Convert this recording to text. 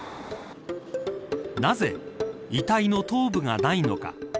なぜ遺体の頭部がないのか。